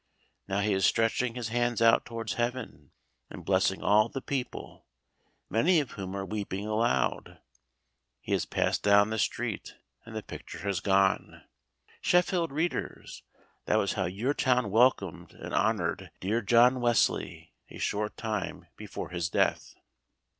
Now he is stretching his hands out towards heaven, and blessing all the people, many of whom are weeping aloud. He has passed down the street, and the picture has gone. Sheffield readers, that was how your town welcomed and honoured dear John Wesley a short time before his death.